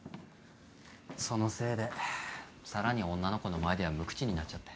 そのせいで更に女の子の前では無口になっちゃって。